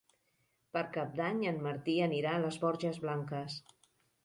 Per Cap d'Any en Martí anirà a les Borges Blanques.